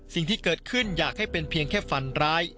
สิ่งที่เกิดขึ้นอยากให้เป็นเพียงแค่ฝันร้าย